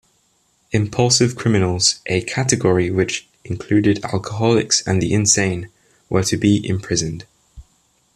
Impulsive criminals, a category which included alcoholics and the insane, were to be imprisoned.